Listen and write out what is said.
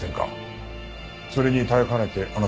それに耐えかねてあなたは。